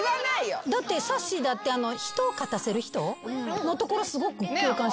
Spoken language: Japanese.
だってさっしーだって人を勝たせる人のところすごく共感してたよね。